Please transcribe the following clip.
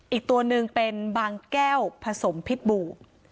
อีกตัวหนึ่งเป็นบางแก้วผสมพิษบู